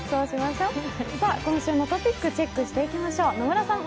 今週のトピック、チェックしていきましょう。